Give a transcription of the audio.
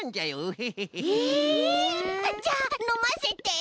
へえじゃあのませて！